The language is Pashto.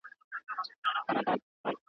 په والله چي ته هغه یې بل څوک نه یې..